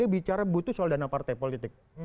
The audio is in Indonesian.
dia bicara butuh soal dana partai politik